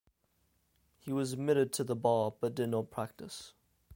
He was admitted to the bar but did not practice.